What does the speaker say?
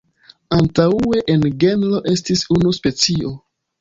Antaŭe en genro estis unu specio.